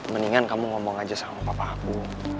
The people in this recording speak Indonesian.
mendingan kamu ngomong aja sama papa aku